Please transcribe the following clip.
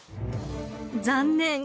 残念！